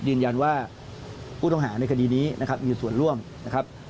ยืนยันว่าผู้ต้องหาในคดีนี้นะครับมีส่วนร่วมนะครับ